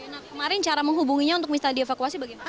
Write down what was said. kemarin cara menghubunginya untuk misalnya dievakuasi bagaimana